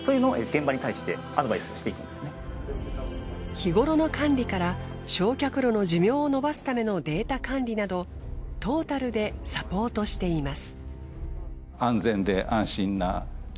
日頃の管理から焼却炉の寿命を伸ばすためのデータ管理などトータルでサポートしています。